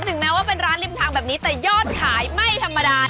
ถึงแม้ว่าเป็นร้านริมทางแบบนี้แต่ยอดขายไม่ธรรมดา